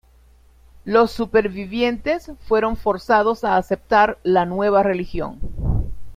Los supervivientes fueron forzados a aceptar la nueva religión.